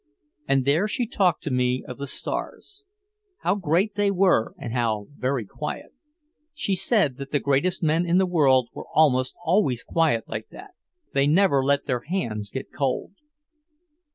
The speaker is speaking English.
And there she talked to me of the stars. How great they were and how very quiet. She said that the greatest men in the world were almost always quiet like that. They never let their hands get cold.